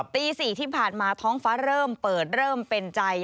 ตี๔ที่ผ่านมาท้องฟ้าเริ่มเปิดเริ่มเป็นใจ